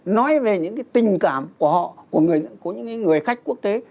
nói về những tình cảm của họ của những người khách quốc tế